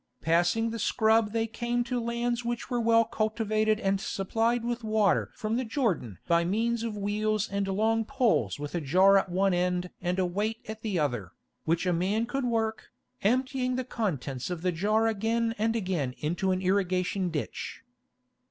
Passing the scrub they came to lands which were well cultivated and supplied with water from the Jordan by means of wheels and long poles with a jar at one end and a weight at the other, which a man could work, emptying the contents of the jar again and again into an irrigation ditch.